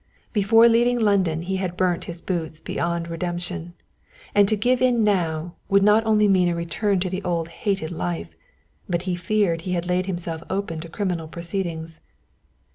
Before leaving London he had burnt his boats beyond redemption, and to give in now would not only mean a return to the old hated life, but he feared he had laid himself open to criminal proceedings.